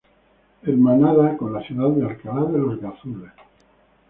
Hermanada con la ciudad de Alcalá de los Gazules.